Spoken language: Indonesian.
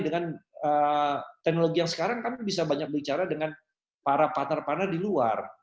dengan teknologi yang sekarang kami bisa banyak bicara dengan para partner partner di luar